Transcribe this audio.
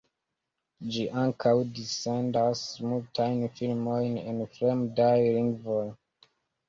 Ĝi ankaŭ dissendas multajn filmojn en fremdaj lingvoj.